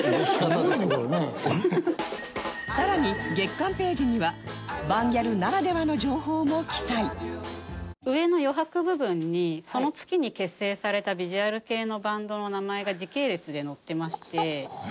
さらに月間ページにはバンギャルならではの情報も記載上の余白部分にその月に結成されたビジュアル系のバンドの名前が時系列で載ってまして。